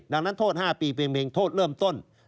ดังนั้นโทษ๕ปีเป็นเพลงโทษเริ่มต้น